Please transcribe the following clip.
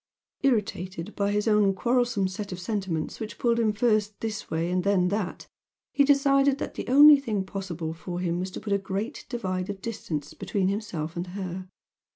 Irritated by his own quarrelsome set of sentiments which pulled him first this way and then that, he decided that the only thing possible for him was to put a "great divide" of distance between himself and her.